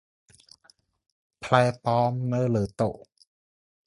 ផ្លែប៉ោមនៅលើតុ។